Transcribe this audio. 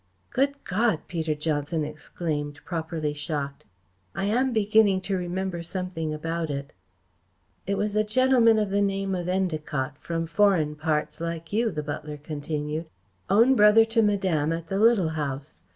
"Good God!" Peter Johnson exclaimed, properly shocked. "I am beginning to remember something about it." "It was a gentleman of the name of Endacott, from foreign parts like you," the butler continued, "own brother to Madame at the Little House.